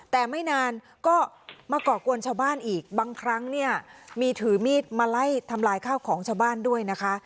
แต่ไม่นานก็มาก่อกวนชาวบ้านอีกบางครั้งเนี่ยมีถือมีดมาไล่ทำลายข้าวของชาวบ้านด้วยนะคะ